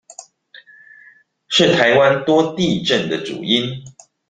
是台灣多地震的主因